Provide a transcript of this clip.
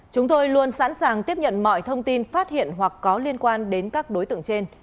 chúng tôi luôn sẵn sàng tiếp nhận mọi thông tin phát hiện hoặc có liên quan đến các đối tượng trên